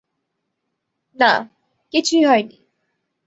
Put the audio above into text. না, কিছুই হয় নি।